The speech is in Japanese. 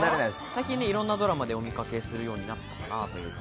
最近いろんなドラマでお見かけするようになったかなという。